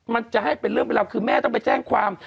มันจะให้เป็นเรื่องเป็นราวคือแม่ต้องไปแจ้งความ